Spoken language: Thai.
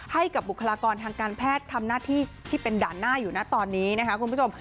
ให้กับบุคลากรทางการแพทย์ทำหน้าที่ที่เป็นด่านหน้าอยู่นะตอนนี้นะคะคุณผู้ชม